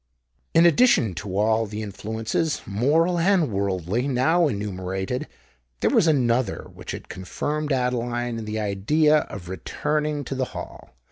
In addition to all the influences, moral and worldly, now enumerated, there was another which had confirmed Adeline in the idea of returning to the Hall.